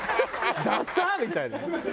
ダサっ！みたいな。